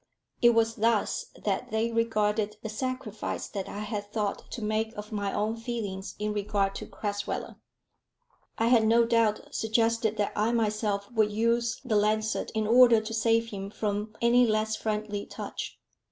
It was thus that they regarded the sacrifice that I had thought to make of my own feelings in regard to Crasweller. I had no doubt suggested that I myself would use the lancet in order to save him from any less friendly touch.